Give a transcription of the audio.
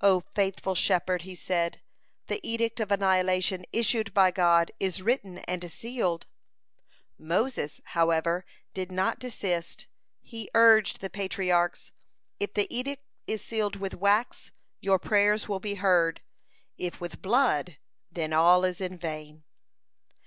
"O faithful shepherd," he said, "the edict of annihilation issued by God is written and sealed." Moses, however, did not desist; he urged the Patriarchs: "If the edict is sealed with wax, your prayers will be heard; if with blood, then all is vain."